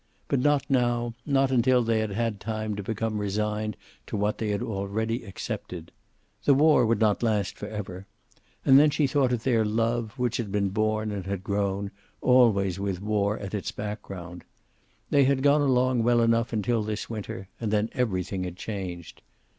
But not now, not until they had had time to become resigned to what they had already accepted. The war would not last forever. And then she thought of their love, which had been born and had grown, always with war at its background. They had gone along well enough until this winter, and then everything had changed.